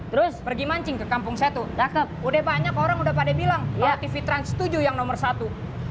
terus pergi mancing ke kampung satu udah banyak orang udah pada bilang ya tv trans tujuh yang nomor satu